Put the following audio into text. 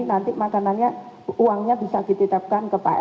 nanti makanannya uangnya bisa dititapkan ke psb